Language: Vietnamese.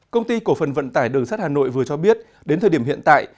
công ty cổ phần vận tải đường sắt hà nội vừa cho biết đến thời điểm hiện tại